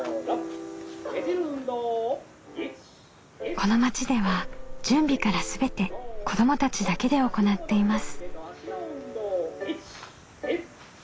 この町では準備から全て子どもたちだけで行っています。